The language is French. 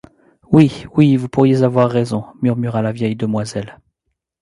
Oui, oui, vous pourriez avoir raison, murmura la vieille demoiselle.